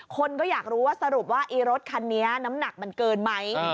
คนก็อยากรู้ว่าสรุปว่าอีรถคันนี้น้ำหนักมันเกินไหม